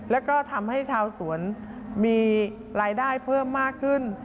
แล้วก็ทำให้ชาวสวนมีรายได้เพิ่มมากขึ้น